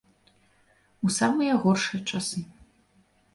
У самыя горшыя часы.